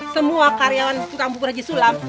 semua karyawan tukang buku haji sulam